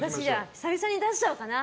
久々に出しちゃおうかな。